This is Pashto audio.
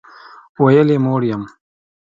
ویل یې موړ یم.